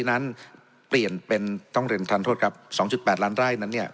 นั้นเปลี่ยนเป็นต้องเรียนทันโทษครับ๒๘ล้านไร่นั้นเนี่ย